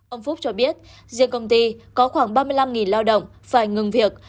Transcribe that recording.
ông phúc cho biết riêng công ty có khoảng ba mươi năm lao động phải ngừng việc